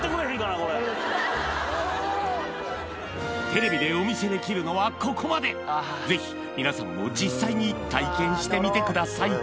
テレビでお見せできるのはここまでぜひみなさんも実際に体験してみてください